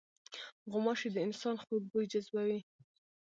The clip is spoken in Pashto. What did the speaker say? غوماشې د انسان خوږ بوی جذبوي.